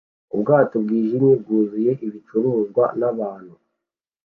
Ubwato bwijimye bwuzuye ibicuruzwa nabantu